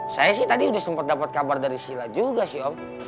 saya sih tadi udah sempat dapat kabar dari sila juga sih om